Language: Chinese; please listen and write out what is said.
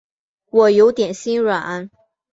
我有点心软